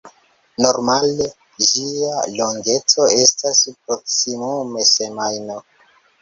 Normale ĝia longeco estas proksimume semajno.